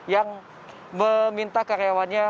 yang meminta karyawannya